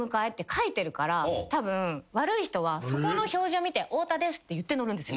書いてるからたぶん悪い人はそこの表示を見て「太田です」って言って乗るんです。